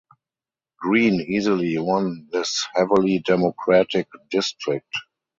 Green easily won this heavily Democratic district.